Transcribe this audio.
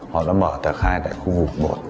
họ đã mở tạc khai tại khu vực một